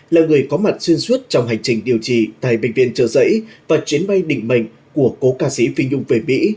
là người có mặt xuyên suốt trong hành trình điều trị tại bệnh viện trợ giấy và chuyến bay định mệnh của cố ca sĩ phi nhung về mỹ